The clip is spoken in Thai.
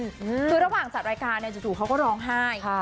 คือระหว่างจากรายการจะถูกเขาก็ร้องไห้